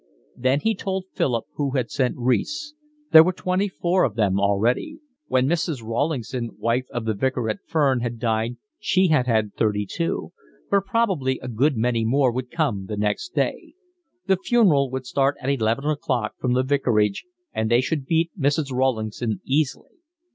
Then he told Philip who had sent wreaths; there were twenty four of them already; when Mrs. Rawlingson, wife of the Vicar at Ferne, had died she had had thirty two; but probably a good many more would come the next day; the funeral would start at eleven o'clock from the vicarage, and they should beat Mrs. Rawlingson easily.